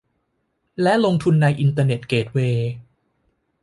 และลงทุนในอินเทอร์เน็ตเกตเวย์